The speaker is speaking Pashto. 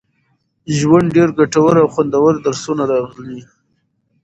ژوند، ډېر ګټور او خوندور درسونه راغلي